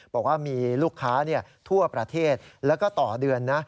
บอกว่ามีลูกค้าทั่วประเทศแล้วก็ต่อเดือนนะ